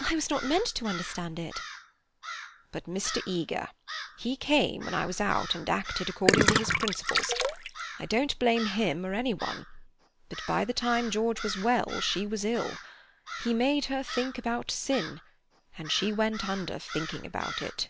I was not meant to understand it." "But Mr. Eager—he came when I was out, and acted according to his principles. I don't blame him or any one... but by the time George was well she was ill. He made her think about sin, and she went under thinking about it."